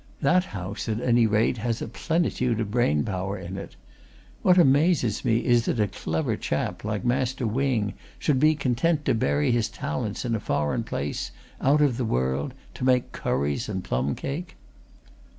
"That house, at any rate, has a plenitude of brain power in it. What amazes me is that a clever chap like Master Wing should be content to bury his talents in a foreign place, out of the world to make curries and plum cake!"